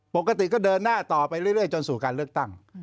ปกติก็เดินหน้าต่อไปเรื่อยจนสู่การเลือกตั้ง